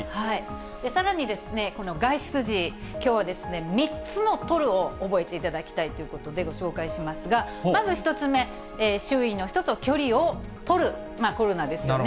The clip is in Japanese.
さらにですね、外出時、きょうは３つのとるを覚えていただきたいということで、ご紹介しますが、まず１つ目、周囲の人と距離をとる、コロナですよね。